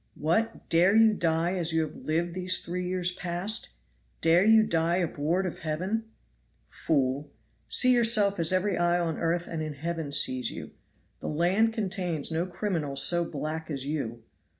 What! dare you die as you have lived these three years past? dare you die abhorred of Heaven? Fool! see yourself as every eye on earth and in heaven sees you. The land contains no criminal so black as you.